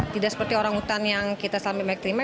tidak seperti orangutan yang kita selama lamanya terima